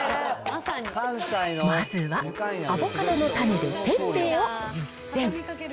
まずはアボカドの種でせんべいを実践。